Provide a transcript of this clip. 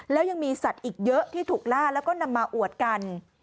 แล้วยังมีสัตว์อีกเยอะที่ถูกล่าแล้วก็นำมาอวดกัน